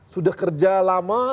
sudah kerja lama